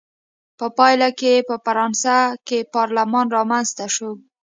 په پایله کې یې په فرانسه کې پارلمان رامنځته شو.